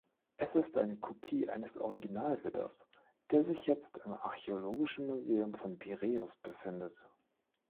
Es ist eine Kopie eines Originalwidders, der sich jetzt im archäologischen Museum von Piräus befindet.